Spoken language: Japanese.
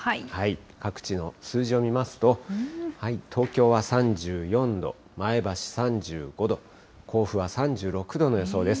各地の数字を見ますと、東京は３４度、前橋３５度、甲府は３６度の予想です。